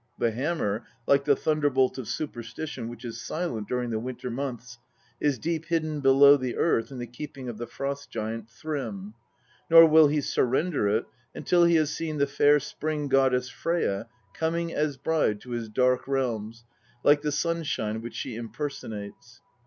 The hammer, like the thunderbolt of superstition, which is silent during the winter months, is deep hidden below the earth in the keeping of the Frost giant Thrym ; nor will he surrender it until he has seen the fair Spring goddess Freyja coining as bride to his dark realms like the sunshine which she impersonates.